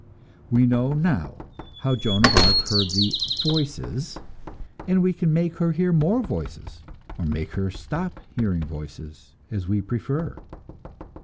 We know now how Joan of Arc heard the "voices," and we can make her hear more voices or make her stop hearing voices, as we prefer.